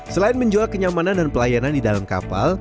selain menjual kenyamanan dan pelayanan di dalam kapal